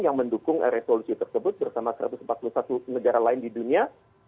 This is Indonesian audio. yang mendukung resolusi tersebut bersama satu ratus empat puluh satu negara lain di dunia